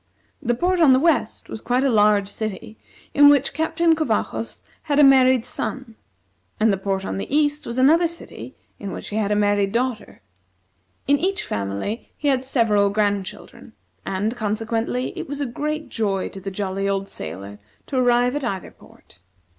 The port on the west was quite a large city, in which Captain Covajos had a married son, and the port on the east was another city in which he had a married daughter. In each family he had several grandchildren; and, consequently, it was a great joy to the jolly old sailor to arrive at either port.